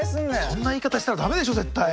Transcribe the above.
そんな言い方したらダメでしょ絶対。